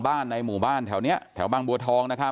ที่มามูวบ้านแถวนี้แถวบ้างบั่วทองน่ะครับ